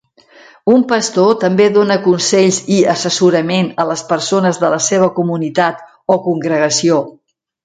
Un pastor també dona consells i assessorament a les persones de la seva comunitat o congregació.